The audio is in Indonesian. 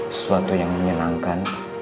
sesuatu yang menyenangkan